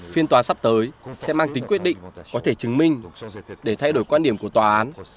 phiên tòa sắp tới sẽ mang tính quyết định có thể chứng minh để thay đổi quan điểm của tòa án